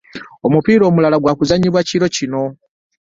Omupiira omulala gwa kuzannyibwa kiro kino.